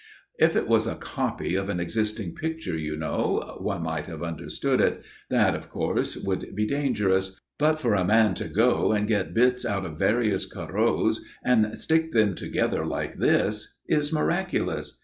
"If it was a copy of an existing picture, you know one might have understood it that, of course, would be dangerous but for a man to go and get bits out of various Corots and stick them together like this is miraculous.